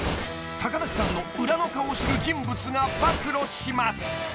［高梨さんの裏の顔を知る人物が暴露します］